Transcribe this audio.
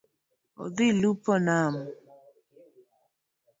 Odhi lupo nam.